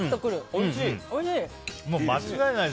おいしい。